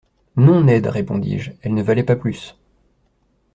—Non, Ned, répondis-je, elle ne valait pas plus.